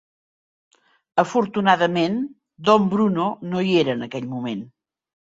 Afortunadament, Dom Bruno no hi era en aquell moment.